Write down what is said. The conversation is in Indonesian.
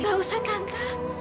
gak usah tata